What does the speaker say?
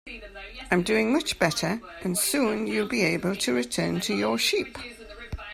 I'm doing much better, and soon you'll be able to return to your sheep.